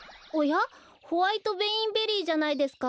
ホワイト・ベインベリーじゃないですか！